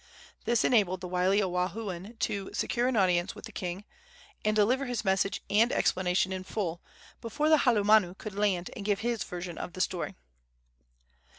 This enabled the wily Oahuan to secure an audience with the king, and deliver his message and explanation in full, before the halumanu could land and give his version of the story.